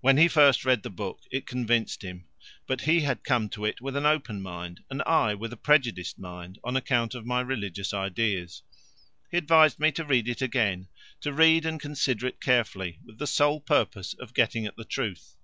When he first read the book it convinced him; but he had come to it with an open mind and I with a prejudiced mind on account of my religious ideas. He advised me to read it again, to read and consider it carefully with the sole purpose of getting at the truth.